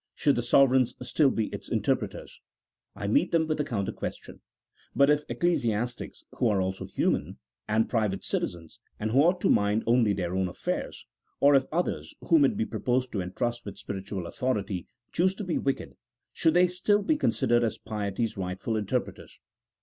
Should the sovereigns still be its in terpreters ?" I meet them with the counter question, "But if ecclesiastics (who are also human, and private citizens, and who ought to mind only their own affairs), or if others whom it is proposed to entrust with spiritual authority, choose to be wicked, should they still be con sidered as piety's rightful interpreters?